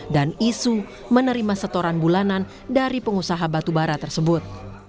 dan isu menerima setoran bulanan dari pengusaha batu bara tersebut